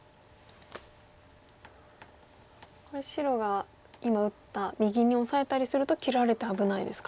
これ白が今打った右にオサえたりすると切られて危ないですか。